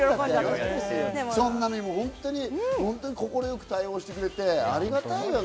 そんなね、快く対応してくれて、ありがたいよね。